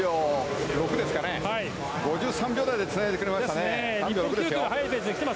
５３秒台でつないでくれましたね。